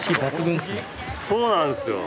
そうなんですよ。